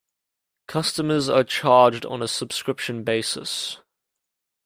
Customers are charged on a subscription basis.